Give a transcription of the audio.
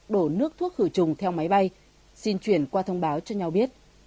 đổ nước thuốc khử trùng theo máy bay xin chuyển qua thông báo cho nhau biết